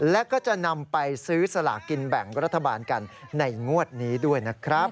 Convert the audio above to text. และก็จะนำไปซื้อสลากินแบ่งรัฐบาลกันในงวดนี้ด้วยนะครับ